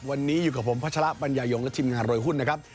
วันนี้อยู่กับผมพัชระปัญญายงและทีมงานรวยหุ้นนะครับ